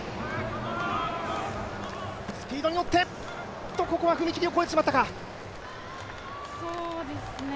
スピードに乗ってここは踏切を越えてしまったか。